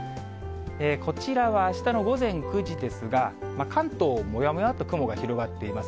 こちらはあしたの午前９時ですが、関東、もやもやっと雲が広がっています。